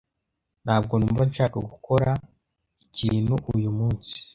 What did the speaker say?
Ntabwo numva nshaka gukora ikintu uyu munsi.